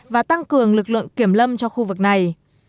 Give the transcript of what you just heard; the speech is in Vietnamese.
và tăng cường lực lượng kiểm lâm cho khu vực này